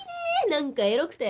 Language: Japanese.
なんかエロくて。